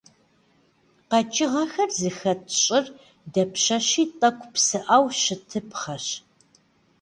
Къэкӏыгъэхэр зыхэт щӏыр дапщэщи тӏэкӏу псыӏэу щытыпхъэщ.